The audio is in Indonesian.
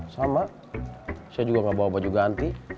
sama saya juga gak bawa baju ganti